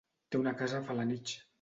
Té una casa a Felanitx.